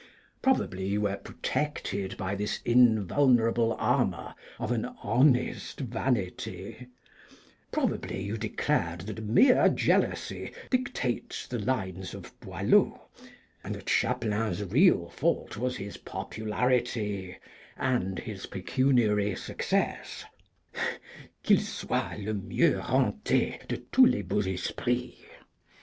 Probably you were protected by this invulnerable armour of an honest vanity, probably you declared that mere jealousy dictates the lines of Boileau, and that Chapelain's real fault was his popularity, and his pecuniary success, Qu'il soit le mieux renté de tous les beaux esprits.